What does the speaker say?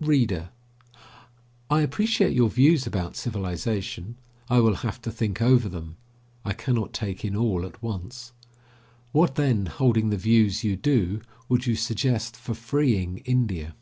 READER: I appreciate your views about civilization. I will have to think over them. I cannot take in all at once. What, then, holding the views you do, would you suggest for freeing India?